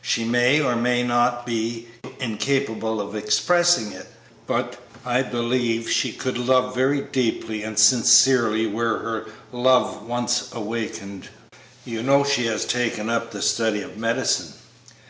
She may, or may not, be incapable of expressing it, but I believe she could love very deeply and sincerely were her love once awakened." "You know she has taken up the study of medicine?"